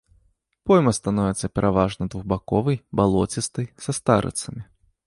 Пойма становіцца пераважна двухбаковай, балоцістай, са старыцамі.